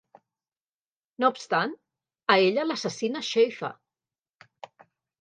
No obstant, a ella l'assassina Shafer.